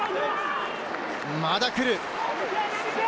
まだ来る。